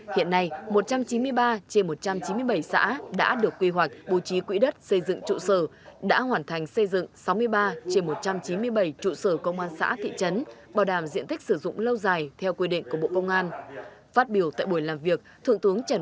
hiện nay một trăm chín mươi ba trên một trăm chín mươi bảy xã đã được quy hoạch bố trí quỹ đất xây dựng trụ sở đã hoàn thành xây dựng sáu mươi ba trên một trăm chín mươi bảy trụ sở công an xã thị trần